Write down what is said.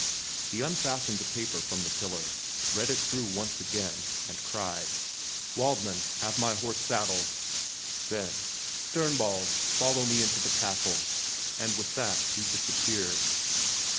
He unfastened the paper from the pillar, read it through once again, and cried, "Waldmann! have my horse saddled!" then, "Sternbald, follow me into the castle!" and with that he disappeared.